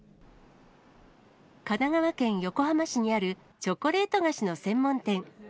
神奈川県横浜市にあるチョコレート菓子の専門店。